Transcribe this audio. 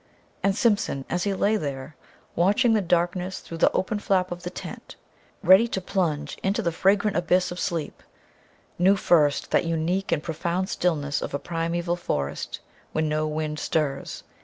And Simpson, as he lay there, watching the darkness through the open flap of the tent, ready to plunge into the fragrant abyss of sleep, knew first that unique and profound stillness of a primeval forest when no wind stirs